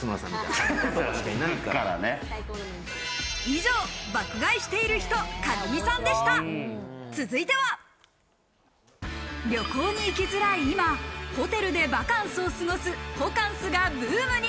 以上、爆買いしている人、旅行に行きづらい今、ホテルでバカンスを過ごす、ホカンスがブームに。